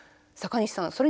阪西さん